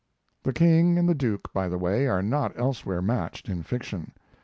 The King and the Duke, by the way, are not elsewhere matched in fiction.